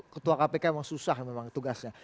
ketua kpk memang susah memang tugasnya